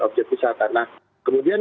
objek wisata nah kemudian